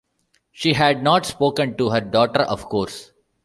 She had not spoken to her daughter, of course.